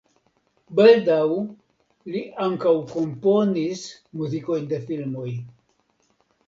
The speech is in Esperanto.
Baldaŭ li ankaŭ komponis muzikojn de filmoj.